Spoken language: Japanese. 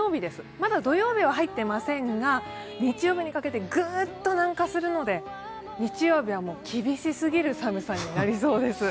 まだ土曜日は入っていませんが日曜日にかけて、ぐっと南下するので日曜日は厳しすぎる寒さになりそうです。